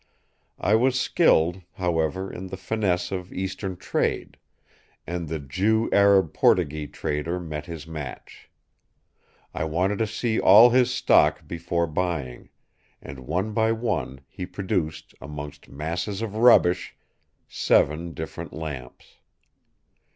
I was skilled, however, in the finesse of Eastern trade; and the Jew Arab Portugee trader met his match. I wanted to see all his stock before buying; and one by one he produced, amongst masses of rubbish, seven different lamps.